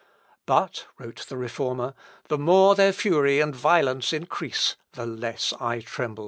"But," wrote the Reformer, "the more their fury and violence increase, the less I tremble."